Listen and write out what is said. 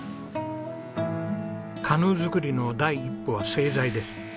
カヌー作りの第一歩は製材です。